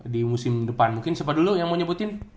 di musim depan mungkin siapa dulu yang mau nyebutin